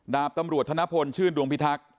ดาบตำรวจธนพลชื่นดวงพิทักษ์